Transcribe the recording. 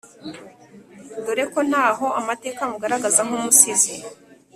dore ko ntaho amateka amugaragaza nk’umusizi